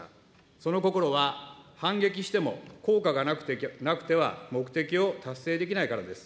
その心は、反撃しても効果がなくては目的を達成できないからです。